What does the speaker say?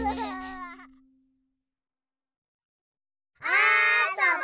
あそぼ！